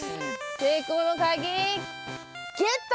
成功の鍵ゲット！